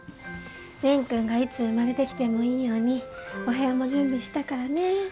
蓮くんがいつ生まれてきてもいいようにお部屋も準備したからね。